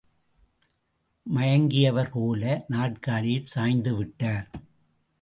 மயங்கியவர்போல, நாற்காலியில் சாய்ந்து விட்டார்.